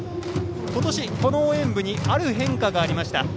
今年、この応援部にある変化がありました。